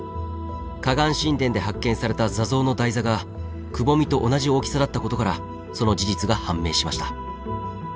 河岸神殿で発見された座像の台座がくぼみと同じ大きさだったことからその事実が判明しました。